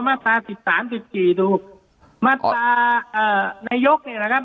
มาตราสิบสามสิบสี่ดูมาตราเอ่อนายกเนี่ยนะครับ